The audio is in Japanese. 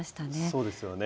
そうですよね。